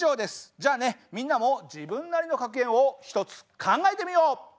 じゃあねみんなも自分なりの格言を一つ考えてみよう！